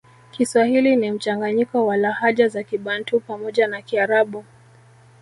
Kiswahili ni mchanganyiko wa lahaja za kibantu pamoja na kiarabu